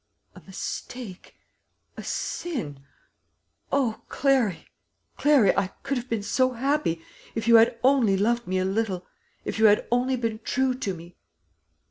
"A mistake a sin! O, Clary, Clary, I could have been so happy, if you had only loved me a little if you had only been true to me.